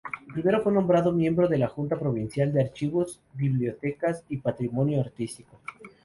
Primero fue nombrado miembro de la Junta Provincial de Archivos, Bibliotecas y Patrimonio Artístico.